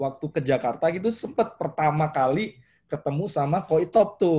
waktu ke jakarta gitu sempet pertama kali ketemu sama koi top tuh